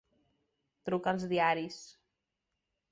Truca als diaris.